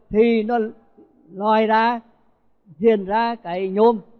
thì nó loại ra diền ra cái nhôm